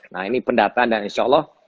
nah ini pendataan dan insya allah